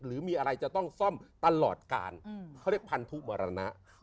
หรือมีอะไรจะต้องซ่อมตลอดกาลเขาเรียกพันธุมรณะ